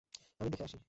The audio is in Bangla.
আমি দেখে আসি।